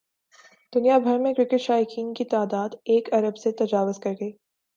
دنیا بھر میں کرکٹ شائقین کی تعداد ایک ارب سے تجاوز کر گئی